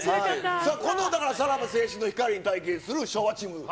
さらば青春の光に対決する昭和チーム。